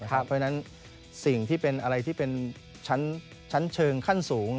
เพราะฉะนั้นสิ่งที่เป็นอะไรที่เป็นชั้นเชิงขั้นสูง